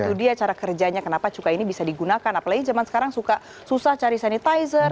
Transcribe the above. jadi itu dia cara kerjanya kenapa cuka ini bisa digunakan apalagi zaman sekarang suka susah cari sanitizer